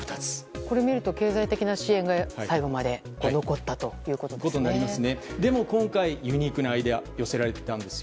これを見ると経済的支援が最後まで残ったんですね。